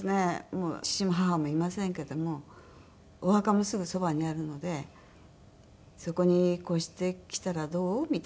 もう父も母もいませんけどもお墓もすぐそばにあるのでそこに越してきたらどう？みたいな。